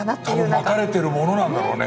多分まかれてるものなんだろうね。